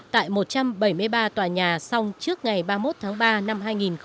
tại một trăm bảy mươi ba tòa nhà xong trước ngày ba mươi một tháng ba năm hai nghìn một mươi chín